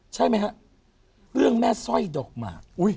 ใช่มั้ยฮะเพื่องแม่สร้อยดกมาก